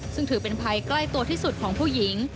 ซึ่งถือเป็นภัยใกล้ตัวที่สุดของผู้หญิง